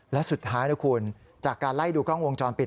และสุดท้ายนะคุณจากการไล่ดูกล้องวงจรปิด